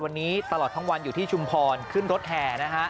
วันนี้ตลอดทั้งวันอยู่ที่ชุมพรขึ้นรถแห่นะฮะ